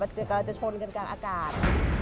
กำลังจะชนกันกลางอากาศ